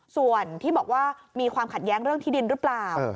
ส่วนที่บอกว่ามีความขัดแย้งเรื่องที่ดินหรือเปล่า